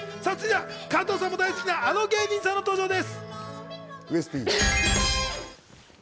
では続いては加藤さんも大好きなあの芸人さんの登場です。